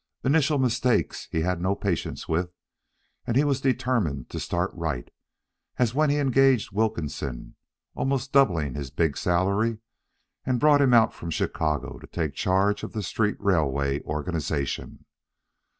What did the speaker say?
Initial mistakes he had no patience with, and he was determined to start right, as when he engaged Wilkinson, almost doubling his big salary, and brought him out from Chicago to take charge of the street railway organization.